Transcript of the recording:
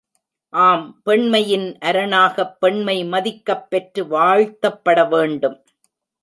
ஆம் பெண்மையின் அரணாகப் பெண்மை மதிக்கப் பெற்று வாழ்த்தப்பட வேண்டும்.